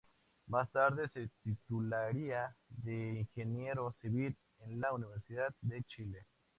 Más tarde se titularía de ingeniero civil en la Universidad de Chile.